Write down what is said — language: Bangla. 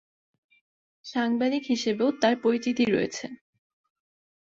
সাংবাদিক হিসেবেও তার পরিচিতি রয়েছে।